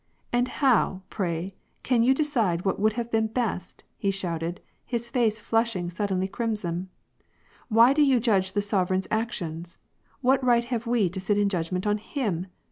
" Aid how, pray, can you decide what would have been best ?" he shouted, his face flushing suddenly crimson. " Why do you judge the sovereign's actions ? What right have we to sit in judgment on him